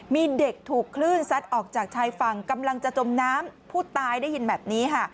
มีเด็กถูกคลื่นซัดออกจากชายฝั่งกำลังจะจมน้ำผู้ตายได้ยินแบบนี้ค่ะ